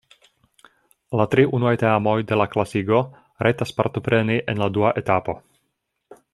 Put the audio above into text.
La tri unuaj teamoj de la klasigo rajtas partopreni en la dua etapo.